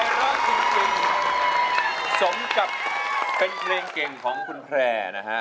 รักจริงสมกับเป็นเพลงเก่งของคุณแพร่นะฮะ